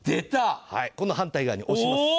反対側に押します。